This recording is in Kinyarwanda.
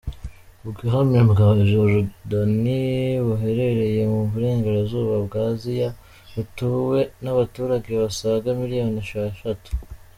Ubwami bwa Jordanie buherereye mu burengerazuba bwa Aziya, butuwe n’abaturage basaga miliyoni esheshatu.